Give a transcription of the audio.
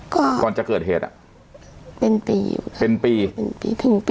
ก่อนก่อนจะเกิดเหตุอ่ะเป็นปีเป็นปีเป็นปีถึงปี